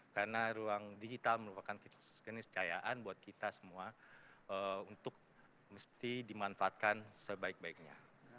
karena ruang digital merupakan kondisi kekayaan buat kita semua untuk mesti dimanfaatkan sebaik baiknya